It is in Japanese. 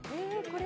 これ。